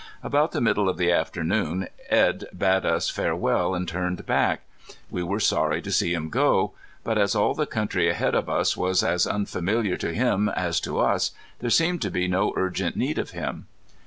About the middle of the afternoon Edd bade us farewell and turned back. We were sorry to see him go, but as all the country ahead of us was as unfamiliar to him as to us there seemed to be no urgent need of him.